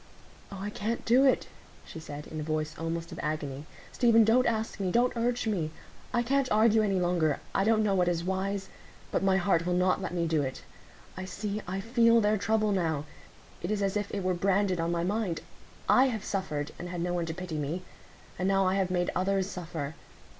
"Oh, I can't do it," she said, in a voice almost of agony; "Stephen, don't ask me—don't urge me. I can't argue any longer,—I don't know what is wise; but my heart will not let me do it. I see,—I feel their trouble now; it is as if it were branded on my mind. I have suffered, and had no one to pity me; and now I have made others suffer.